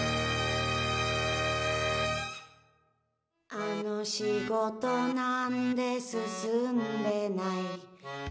あの仕事何で進んでない？